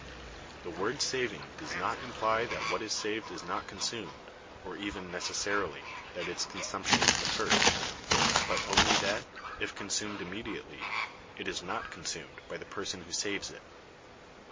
The word saving does not imply that what is saved is not consumed, nor even necessarily that its consumption is deferred; but only that, if consumed immediately, it is not consumed by the person who saves it.